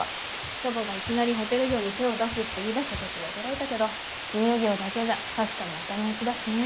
祖母がいきなりホテル業に手を出すって言いだしたときは驚いたけど金融業だけじゃ確かに頭打ちだしね。